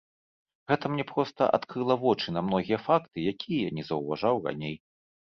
Гэта мне проста адкрыла вочы на многія факты, якія я не заўважаў раней.